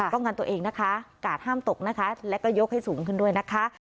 กันตัวเองนะคะกาดห้ามตกนะคะแล้วก็ยกให้สูงขึ้นด้วยนะคะ